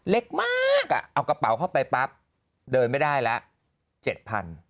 เล็กมากอ่ะเอากระเป๋าเข้าไปปั๊บเดินไม่ได้ละ๗๐๐บาท